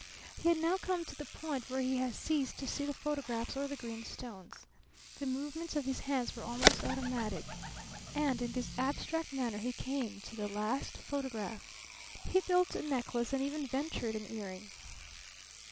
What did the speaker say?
He had now come to the point where he ceased to see the photographs or the green stones. The movements of his hands were almost automatic. And in this abstract manner he came to the last photograph. He built a necklace and even ventured an earring.